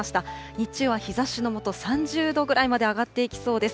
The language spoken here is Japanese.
日中は日ざしの下、３０度ぐらいまで上がっていきそうです。